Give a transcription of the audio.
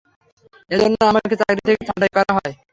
এজন্য আমাকে চাকরি থেকে ছাঁটাই করা হয়।